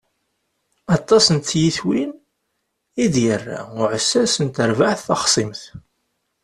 Aṭas n tyitwin i d-irra uɛessas n terbaɛt taxṣimt.